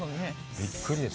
びっくりですよ。